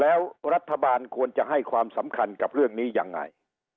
แล้วรัฐบาลควรจะให้ความสำคัญกับเรื่องนี้ยังไง